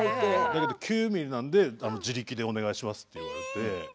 でも９ミリなので自力でお願いしますと言われて。